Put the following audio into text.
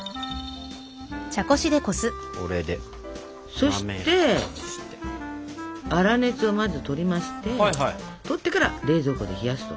そして粗熱をまずとりましてとってから冷蔵庫で冷やすと。